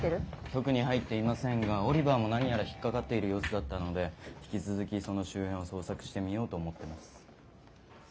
特に入っていませんがオリバーも何やら引っ掛かっている様子だったので引き続きその周辺を捜索してみようと思ってます。